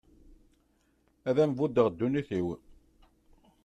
Ad am-buddeɣ ddunit-iw.